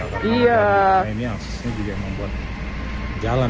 karena ini aksesnya juga membuat jalan